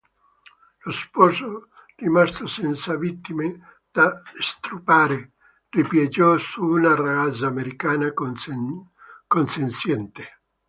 Lo sposo, rimasto senza vittime da stuprare, ripiegò su una ragazza americana consenziente.